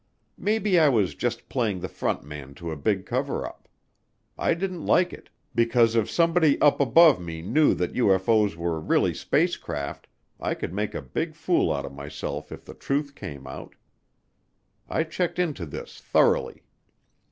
Maybe I was just playing the front man to a big cover up. I didn't like it because if somebody up above me knew that UFO's were really spacecraft, I could make a big fool out of myself if the truth came out. I checked into this thoroughly.